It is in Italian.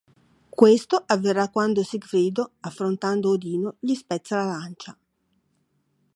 Questo avverrà quando Sigfrido affrontando Odino gli spezza la lancia.